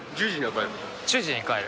１０時には帰る。